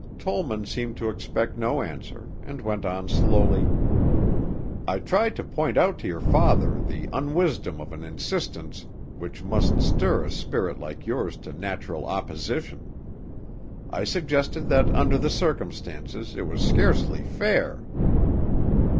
Tollman seemed to expect no answer and went on slowly, "I tried to point out to your father the unwisdom of an insistence which must stir a spirit like yours to natural opposition. I suggested that under the circumstances it was scarcely fair."